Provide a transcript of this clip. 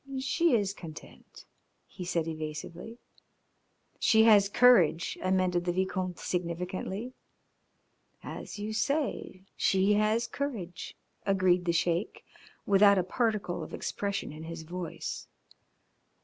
"She is content," he said evasively. "She has courage," amended the Vicomte significantly. "As you say, she has courage," agreed the Sheik, without a particle of expression in his voice.